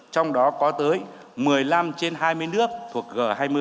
trong đó có tới một mươi năm trên hai mươi nước thuộc g hai mươi